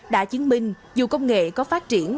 đã chứng minh dù công nghệ có phát triển